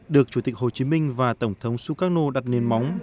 được chủ tịch hồ chí minh và tổng thống sukarno đặt nền móng